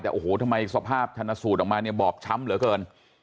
แต่ทำไมทรมาภทัณฑ์สูตรออกมาบอกช้ำเหลือเกิน